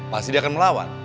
pasti dia akan melawan